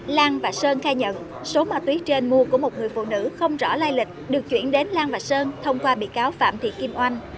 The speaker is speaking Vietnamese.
lan và sơn khai nhận số ma túy trên mua của một người phụ nữ không rõ lai lịch được chuyển đến lan và sơn thông qua bị cáo phạm thị kim oanh